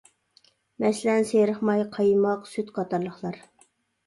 مەسىلەن سېرىق ماي، قايماق، سۈت قاتارلىقلار.